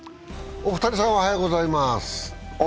お二人さん、おはようございます。